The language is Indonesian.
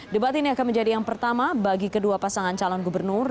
debat ini akan menjadi yang pertama bagi kedua pasangan calon gubernur